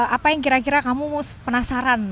apa yang kira kira kamu penasaran